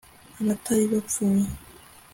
abatari bapfuye